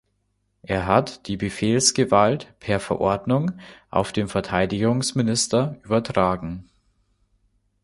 Er hat die Befehlsgewalt per Verordnung auf den Verteidigungsminister übertragen.